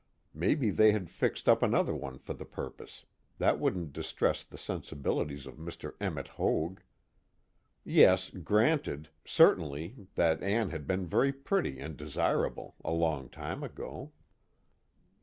Maybe they had fixed up another one for the purpose, that wouldn't distress the sensibilities of Mr. Emmet Hoag. Yes, granted, certainly, that Ann had been very pretty and desirable, a long time ago.